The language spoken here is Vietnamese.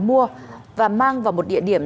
mua và mang vào một địa điểm